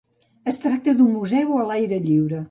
Es tracta d'un museu a l'aire lliure.